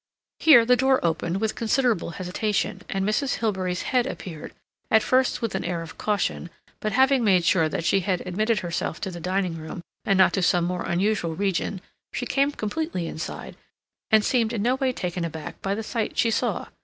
Here the door opened with considerable hesitation, and Mrs. Hilbery's head appeared, at first with an air of caution, but having made sure that she had admitted herself to the dining room and not to some more unusual region, she came completely inside and seemed in no way taken aback by the sight she saw.